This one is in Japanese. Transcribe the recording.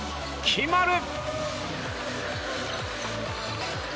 決まる！